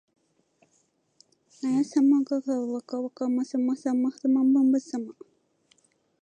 なやさまばがはわかわなまさまはまばさま